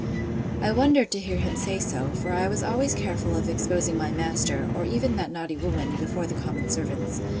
I wondered to hear him say so; for I was always careful of exposing my master, or even that naughty woman, before the common servants.